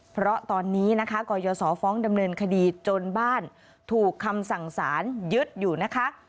เพราะตอนนี้นะคะกรยศฟ้องดำเนินคดีจนบ้านถูกคำสั่งสารยึดอยู่นะคะ